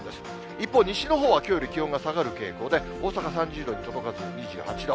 一方、西のほうはきょうより気温が下がる傾向で、大阪３０度に届かず２８度。